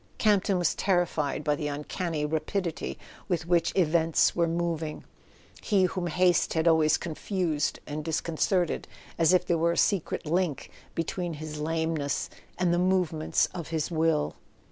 Camp ton was terrified by the uncanny rapidity with which events were moving, he whom haste had always con¬ fused and disconcerted, as if there were a secret link between his lameness and the movements of his will.